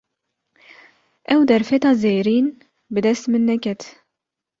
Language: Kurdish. Ew derfeta zêrîn, bi dest min neket